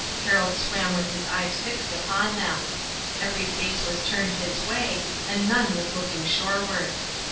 Harold swam with his eyes fixed upon them. Every face was turned his way and none was looking shoreward.